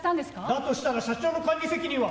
・だとしたら社長の管理責任は？